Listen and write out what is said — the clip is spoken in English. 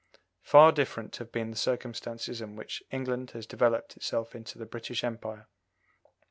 Far different have been the circumstances under which England has developed itself into the British Empire.